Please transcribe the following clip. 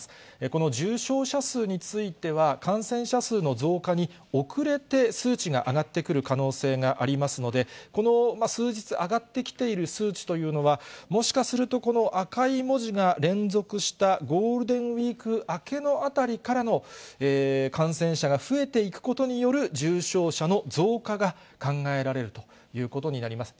この重症者数については、感染者数の増加に遅れて数値が上がってくる可能性がありますので、この数日、上がってきている数値というのは、もしかすると、この赤い文字が連続したゴールデンウィーク明けのあたりからの感染者が増えていくことによる重症者の増加が考えられるということになります。